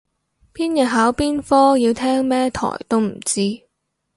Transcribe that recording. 邊日考邊科要聽咩台都唔知